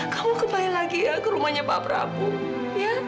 kamu kembali lagi ya ke rumahnya pak prabu ya